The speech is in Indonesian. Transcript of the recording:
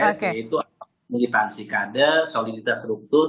yaitu militansi kader soliditas struktur